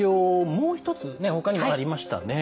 もう一つほかにもありましたね。